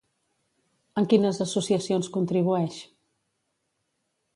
En quines associacions contribueix?